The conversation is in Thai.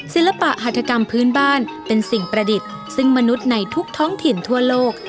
ศิลปะหัฐกรรมพื้นบ้านเป็นสิ่งประดิษฐ์ซึ่งมนุษย์ในทุกท้องถิ่นทั่วโลก